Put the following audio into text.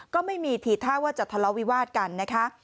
ก็ไม่มีทีท่าว่าจะทะเลาวิวาสกันนะคะ